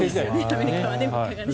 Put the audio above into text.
アメリカはね。